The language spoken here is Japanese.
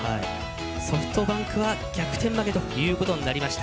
ソフトバンクは逆転負けとなりました。